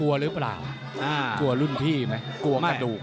กลัวหรือเปล่ากลัวรุ่นพี่ไหมกลัวกระดูก